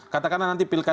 katakanlah nanti pilkada